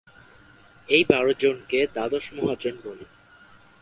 এই বারো জনকে দ্বাদশ মহাজন বলে।